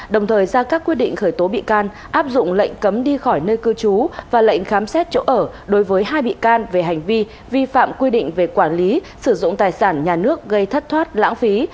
đồng thời ra các quyết định khởi tố bị can áp dụng lệnh cấm đi khỏi nơi cư trú và lệnh khám xét chỗ ở đối với hai bị can về hành vi vi phạm quy định về quản lý sử dụng tài sản nhà nước gây thất thoát lãng phí